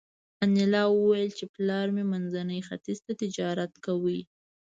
انیلا وویل چې پلار مې منځني ختیځ ته تجارت کاوه